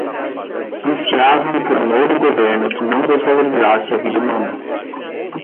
Ansiavam por um novo governo que não desvalorizasse a vida humana